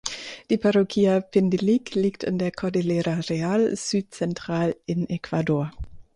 Die Parroquia Pindilig liegt in der Cordillera Real südzentral in Ecuador.